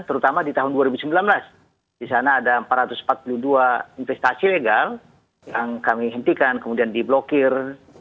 terutama di tahun dua ribu sembilan belas di sana ada empat ratus empat puluh dua investasi legal yang kami hentikan kemudian diblokir